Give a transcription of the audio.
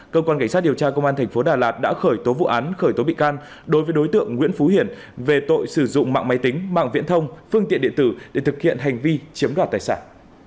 cơ quan cảnh sát điều tra công an thành phố đà lạt đã khởi tố vụ án khởi tố bị can đối với đối tượng nguyễn phú hiển về tội sử dụng mạng máy tính mạng viễn thông phương tiện điện tử để thực hiện hành vi chiếm đoạt tài sản